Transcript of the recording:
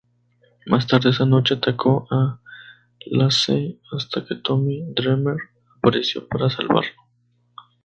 Más tarde esa noche, atacó a Lacey hasta que Tommy Dreamer apareció para salvarlo.